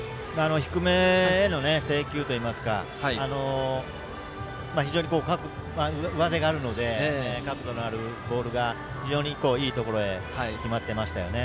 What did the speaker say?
低めへの制球といいますか非常に上背があるので角度があるボールが非常にいいところへ決まっていましたね。